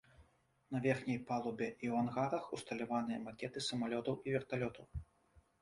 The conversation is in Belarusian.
На верхняй палубе і ў ангарах усталяваныя макеты самалётаў і верталётаў.